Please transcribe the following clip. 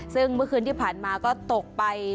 ซึ่งเมื่อคืนที่ผ่านมาก็ตกไป